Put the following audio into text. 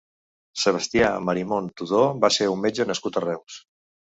Sebastià Marimon Tudó va ser un metge nascut a Reus.